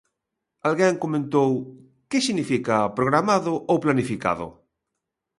Alguén comentou ¿que significa programado ou planificado?